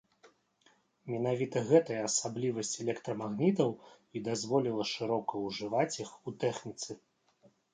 Менавіта гэтая асаблівасць электрамагнітаў і дазволіла шырока ўжываць іх у тэхніцы.